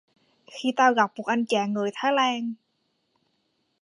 Khi tao gặp một anh chàng người Thái Lan